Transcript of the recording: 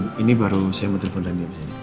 belum ini baru saya mau telepon lagi abis ini